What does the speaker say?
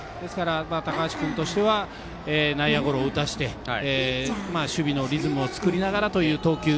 高橋君としては内野ゴロを打たせて守備のリズムを作りながらという投球。